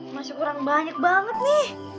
masih kurang banyak banget nih